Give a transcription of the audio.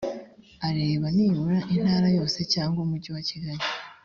areba nibura intara yose cyangwa umujyi wa kigali